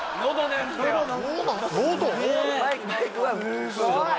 すごい！